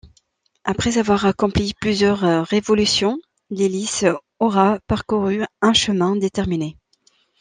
Après avoir accompli plusieurs révolutions, l'hélice aura parcouru un chemin déterminé.